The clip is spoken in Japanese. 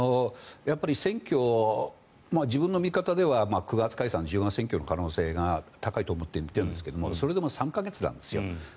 選挙、自分の見方では９月解散、１０月選挙の可能性が高いとみていますがそれでも３か月なんです。